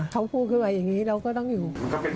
เขาพูดขึ้นมาอย่างนี้เราก็ต้องอยู่